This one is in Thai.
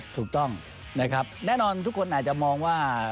ถูกต้องนะครับแน่นอนทุกคนอาจจะมองว่า